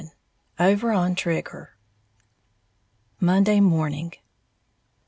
XI OVER ON TRIGGER _Monday Morning.